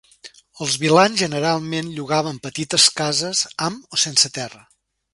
Els vilans generalment llogaven petites cases, amb o sense terra.